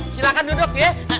silahkan duduk ya